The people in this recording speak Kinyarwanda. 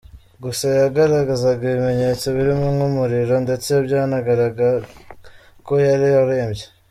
Gusa yagaragazaga ibimenyetso birimo nk’umuriro ndetse byanagaragaraga ko yari arembye.